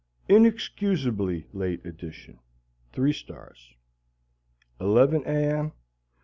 Inexcusably Late Edition Three stars 11 A. M.